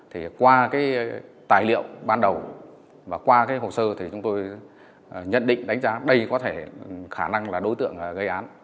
thì qua cái tài liệu ban đầu và qua cái hồ sơ thì chúng tôi nhận định đánh giá đây có thể khả năng là đối tượng gây án